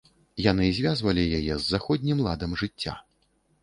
Яны звязвалі яе з заходнім ладам жыцця.